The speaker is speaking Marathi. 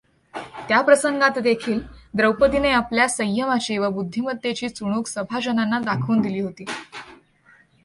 त्या प्रसंगातदेखील द्रौपदीने आपल्या संयमाची व बुद्धिमत्तेची चुणूक सभाजनांना दाखवून दिली होती.